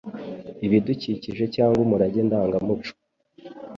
ibidukikije cyangwa umurage ndangamuco,